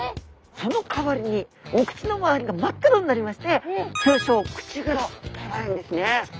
そのかわりにお口の周りが真っ黒になりまして通称「口黒」と呼ばれるんですね。